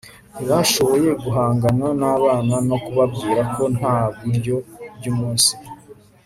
ntibashoboye guhangana nabana no kubabwira ko nta biryo byumunsi